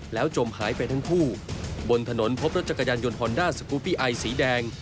แล้วจมหายไปทั้งคู่บนถนนพบรถจักรยานยนต์ฮอนด้าสกูปปี้ไอสีแดง